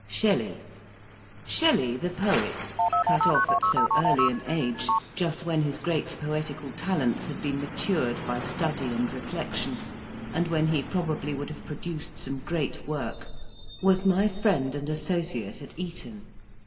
SHELLEY Shelley, the poet, cut off at so early an age; just when his great poetical talents had been matured by study and reflection, and when he probably would have produced some great work, was my friend and associate at Eton.